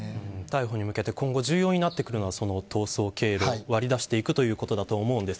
逮捕に向けて今後重要にやってくるのが逃走経路、割り出していくということだと思います。